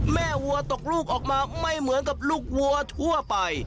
วัวตกลูกออกมาไม่เหมือนกับลูกวัวทั่วไป